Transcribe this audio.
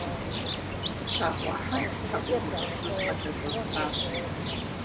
Щакӏуэхьэр тхьэкӏумэкӏыхьым бгъэдэцӏэфтащ.